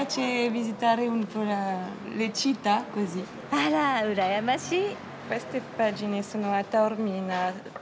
あら羨ましい。